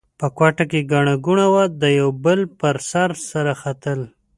په کوټه کې ګڼه ګوڼه وه؛ د یوه بل پر سر سره ختل.